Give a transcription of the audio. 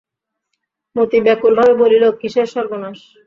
মতি ব্যাকুলভাবে বলিল, কিসের সর্বনাশ?